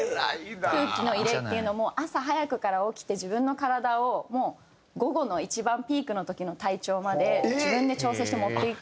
空気の入れっていうのも朝早くから起きて自分の体を午後の一番ピークの時の体調まで自分で調整して持っていく。